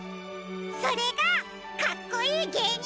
それがかっこいいげいにんですもんね！